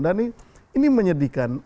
dan ini menyedihkan